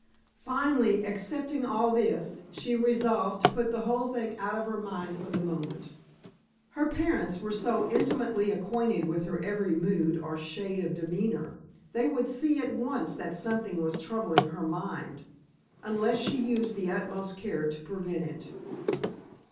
Finally, accepting all this, she resolved to put the whole thing out of her mind for the moment. Her parents were so intimately acquainted with her every mood or shade of demeanor, they would see at once that something was troubling her mind, unless she used the utmost care to prevent it.